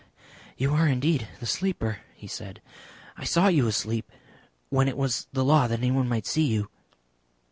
"You are indeed the Sleeper," he said. "I saw you asleep. When it was the law that anyone might see you."